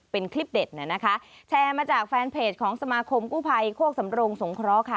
เป็นคลิปเด็ดเนี่ยนะคะแชร์มาจากแฟนเพจของสมาคมกู้ภัยโคกสำรงสงเคราะห์ค่ะ